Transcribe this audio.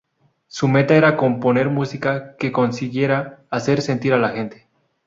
Su meta era componer música que consiguiera hacer sentir a la gente.